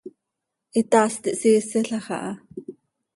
Hitaast ihsiiselax aha.